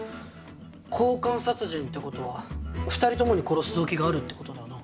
交換殺人ってことは２人ともに殺す動機があるってことだよな？